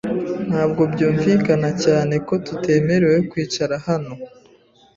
Ntabwo byumvikana cyane ko tutemerewe kwicara hano.